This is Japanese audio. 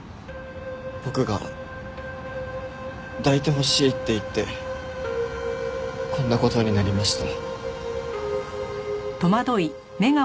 僕が抱いてほしいって言ってこんな事になりました。